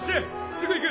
すぐ行く！